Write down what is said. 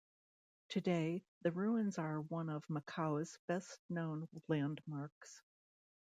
Today, the ruins are one of Macau's best known landmarks.